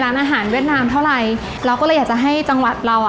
ร้านอาหารเวียดนามเท่าไรเราก็เลยอยากจะให้จังหวัดเราอ่ะ